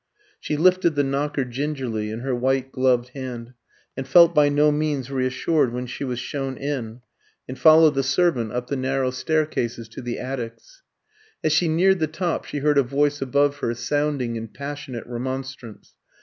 She lifted the knocker gingerly in her white gloved hand, and felt by no means reassured when she was shown in, and followed the servant up the narrow staircases to the attics. As she neared the top she heard a voice above her sounding in passionate remonstrance.